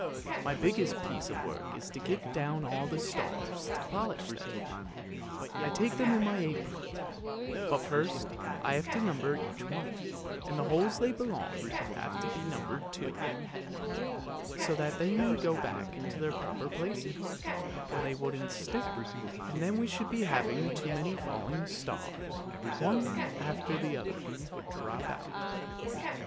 My biggest piece of work is to get down all the stars to polish them ; I take them in my apron ; but first I have to number each one, and the holes they belong to have to be numbered too, so that they may go back into their proper places, or they wouldn't stick, and then we should be having too many falling stars, one after the other would drop out."